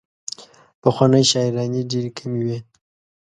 پخوانۍ شاعرانې ډېرې کمې وې.